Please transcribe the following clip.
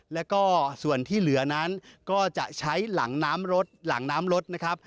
แล้วก็ส่วนที่เหลือนั้นก็จะใช้หลังน้ำรถหลังน้ำรถนะครับ